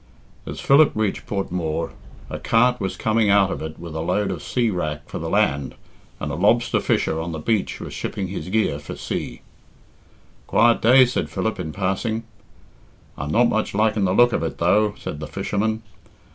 As Philip reached Port Mooar, a cart was coming out of it with a load of sea wrack for the land, and a lobster fisher on the beach was shipping his gear for sea. "Quiet day," said Philip in passing. "I'm not much liking the look of it, though," said the fisherman.